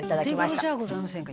「お手頃じゃございませんか？